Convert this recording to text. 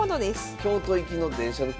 京都行きの電車の切符。